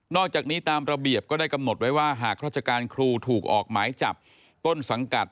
อกจากนี้ตามระเบียบก็ได้กำหนดไว้ว่าหากราชการครูถูกออกหมายจับต้นสังกัด